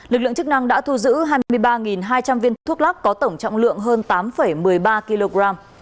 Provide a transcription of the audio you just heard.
lực lượng chức năng đã thu giữ hai mươi ba hai trăm linh viên thuốc lắc có tổng trọng lượng hơn tám một mươi ba kg